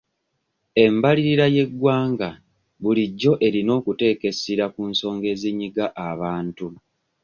Embalirira y'eggwanga bulijjo erina okuteeka essira ku nsonga ezinyiga abantu.